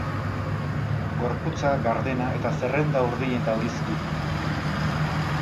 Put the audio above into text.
Gorputza gardena eta zerrenda urdin eta horiz du.